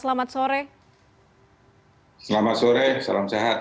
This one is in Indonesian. selamat sore salam sehat